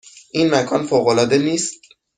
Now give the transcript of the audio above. این مکان فوق العاده نیست؟